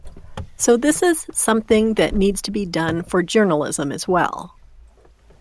So this is something that needs to be done for journalism as well.